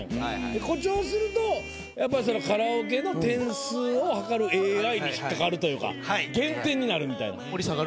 で誇張するとやっぱカラオケの点数を測るＡＩに引っ掛かるというか減点になるみたいな。